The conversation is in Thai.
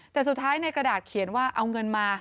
แต่สุดท้ายในกระดาษเขียนว่าเอาเงินมา